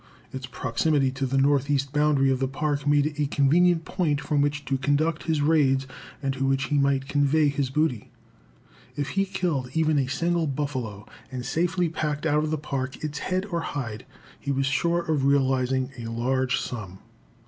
Its proximity to the northeast boundary of the Park made it a convenient point from which to conduct his raids and to which he might convey his booty. If he killed even a single buffalo, and safely packed out of the Park its head or hide, he was sure of realizing a large sum.